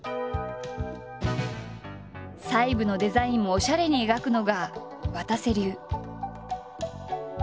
細部のデザインもおしゃれに描くのがわたせ流。